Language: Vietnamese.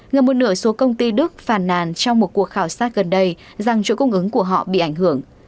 gần một nửa số công ty đức phàn nàn trong một cuộc khảo sát gần đây rằng chuỗi cung ứng của họ bị ảnh hưởng